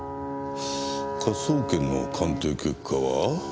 科捜研の鑑定結果は？